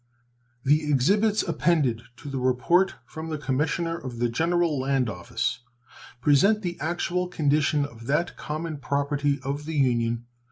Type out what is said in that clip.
The exhibits appended to the report from the Commissioner of the General Land Office present the actual condition of that common property of the Union.